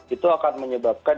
itu akan menyebabkan